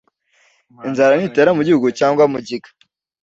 “Inzara nitera mu gihugu cyangwa mugiga